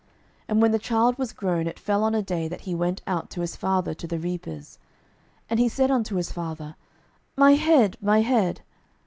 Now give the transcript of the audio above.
12:004:018 And when the child was grown, it fell on a day, that he went out to his father to the reapers. 12:004:019 And he said unto his father, My head, my head.